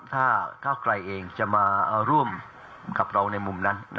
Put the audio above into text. ถ้าก้าวไกลเองจะมาร่วมกับเราในมุมนั้น